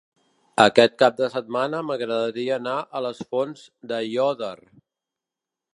Aquest cap de setmana m'agradaria anar a les Fonts d'Aiòder.